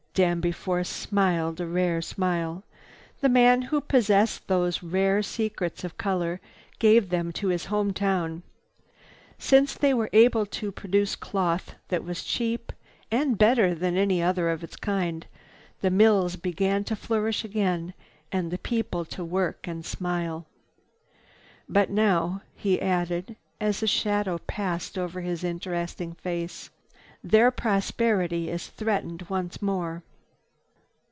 Danby Force smiled a rare smile. "The man who possessed those rare secrets of color gave them to his home town. Since they were able to produce cloth that was cheap, and better than any other of its kind, the mills began to flourish again and the people to work and smile. "But now," he added as a shadow passed over his interesting face, "their prosperity is threatened once more."